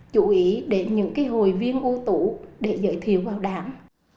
chủ ý để những hồi viên ưu tủ để giới thiệu vào đảng